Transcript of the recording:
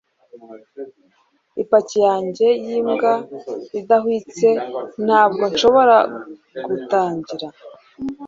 Ipaki yanjye yimbwa idahwitse Ntabwo nshobora gutangira